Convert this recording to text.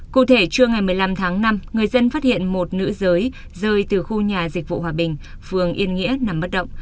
cụ thể trưa ngày một mươi năm tháng năm người dân phát hiện một nữ giới rơi từ khu nhà dịch vụ hòa bình phường yên nghĩa nằm bất động